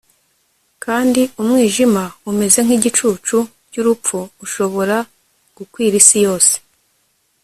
kandi umwijima umeze nkigicucu cyurupfu ushobora gukwira isi yose